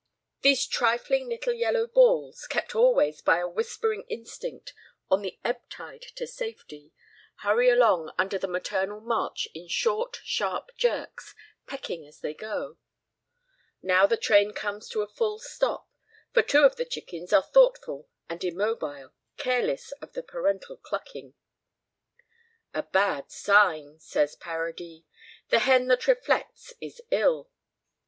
These trifling little yellow balls, kept always by a whispering instinct on the ebb tide to safety, hurry along under the maternal march in short, sharp jerks, pecking as they go. Now the train comes to a full stop, for two of the chickens are thoughtful and immobile, careless of the parental clucking. "A bad sign," says Paradis; "the hen that reflects is ill."